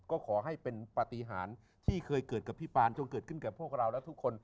ก็ขอให้เป็นปฏิหารที่เป็นกับพี่ปานที่ก็เคยเกิดข้นกับทุกคน